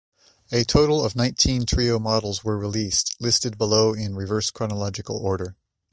A total of nineteen Treo models were released, listed below in reverse chronological order.